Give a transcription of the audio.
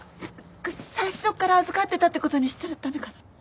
最初っから預かってたってことにしたら駄目かな？